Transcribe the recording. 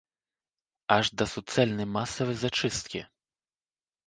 Аж да суцэльнай масавай зачысткі.